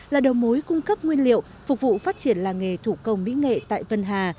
là đầu mối cung cấp nguyên liệu phục vụ phát triển làng nghề thủ công mỹ nghệ tại vân hà